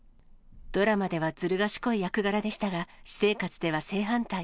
ドラマではずる賢い役柄でしたが、私生活では正反対。